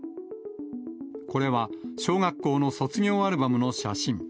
これは、小学校の卒業アルバムの写真。